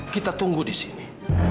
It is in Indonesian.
kita tunggu di sini